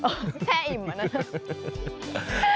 แค่อิ่มมานั่ง